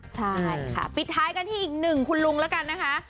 ใช่ค่ะปิดท้ายกันที่อีกหนึ่งคุณลุงแล้วกันนะคะ